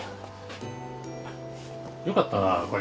よかったらこれ。